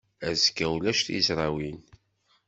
Azekka ulac tizrawin.